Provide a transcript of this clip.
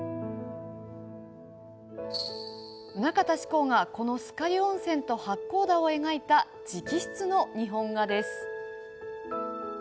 棟方志功がこの酸ヶ湯温泉と八甲田を描いた直筆の日本画です。